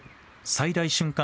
最大瞬間